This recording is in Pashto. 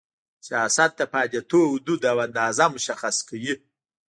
سیاست د فعالیتونو حدود او اندازه مشخص کوي.